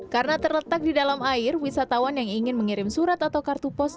karena terletak di dalam air wisatawan yang ingin mengirim surat atau kartu pos